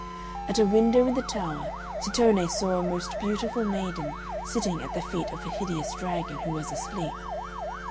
At a window in the tower Tittone saw a most beautiful maiden sitting at the feet of a hideous dragon, who was asleep.